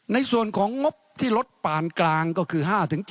ในส่วนของงบที่ลดปานกลางก็คือ๕๘